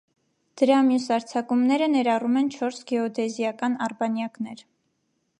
Դրա մյուս արձակումները ներառում են չորս գեոդեզիական արբանյակներ։